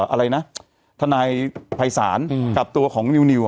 อะไรนะทนายภัยศาลกับตัวของนิว